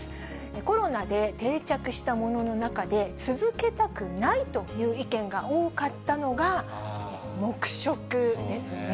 コロナで定着したものの中で、続けたくないという意見が多かったのが、黙食ですね。